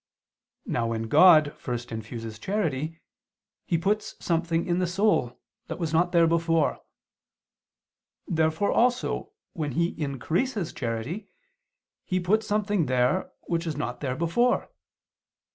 Now when God first infuses charity, He puts something in the soul that was not there before. Therefore also, when He increases charity, He puts something there which was not there before.